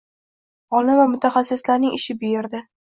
Olim va mutaxassislarning ishi bu yerda